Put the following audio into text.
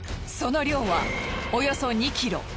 その量はおよそ２ｋｇ。